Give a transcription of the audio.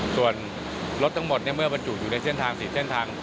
ส่วนรถทั้งหมดเมื่อบรรจุอยู่ในเส้นทาง๔เส้นทาง